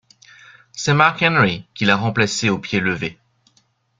C'est Mark Henry qui l'a remplacé au pied levé.